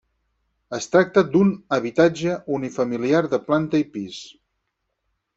Es tracta d'un habitatge unifamiliar de planta i pis.